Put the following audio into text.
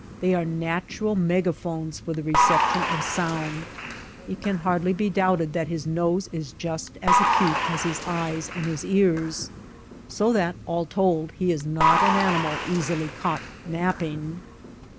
They are natural megaphones for the reception of sound. It can hardly be doubted that his nose is just as acute as his eyes and his ears. So that all told he is not an animal easily caught napping.